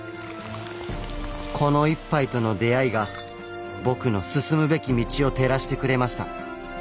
この一杯との出会いが僕の進むべき道を照らしてくれました。